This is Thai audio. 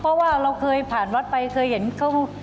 เพราะว่าเราเคยผ่านวัดไปเคยเห็นเขา